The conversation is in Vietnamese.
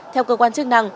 theo cơ quan chức năng